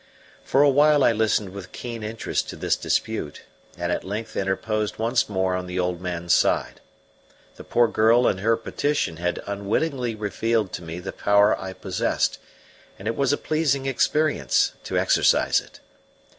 For a while I listened with keen interest to this dispute, and at length interposed once more on the old man's side. The poor girl in her petition had unwittingly revealed to me the power I possessed, and it was a pleasing experience to exercise it.